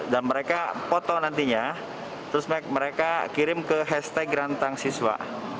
dan mereka foto nantinya terus mereka kirim ke hashtag rantang siswa